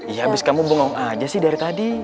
iya abis kamu bengong aja sih dari tadi